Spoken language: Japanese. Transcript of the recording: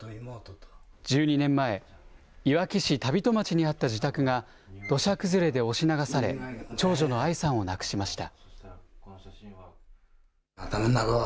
１２年前、いわき市田人町にあった自宅が、土砂崩れで押し流され、長女の愛さんを亡くしました。